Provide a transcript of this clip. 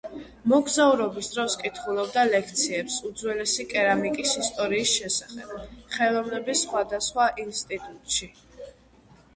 მოგზაურობის დროს კითხულობდა ლექციებს უძველესი კერამიკის ისტორიის შესახებ, ხელოვნების სხვადასხვა ინსტიტუტში.